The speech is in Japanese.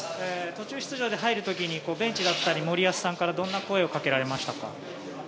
途中出場で入る時にベンチだったり森保さんからどんな声をかけられましたか。